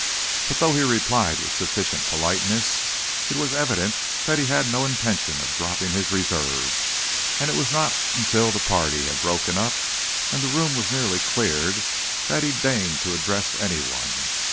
But though he replied with sufficient politeness, it was evident that he had no intention of dropping his reserve, and it was not till the party had broken up and the room was nearly cleared that he deigned to address any one.